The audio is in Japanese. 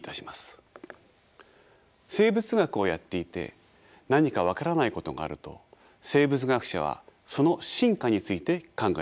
生物学をやっていて何か分からないことがあると生物学者はその進化について考えます。